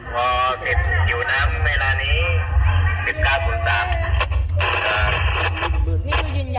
เวลานี้